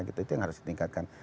itu yang harus kita tingkatkan